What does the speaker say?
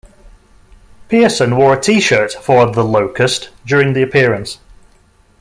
Pearson wore a T-shirt for The Locust during the appearance.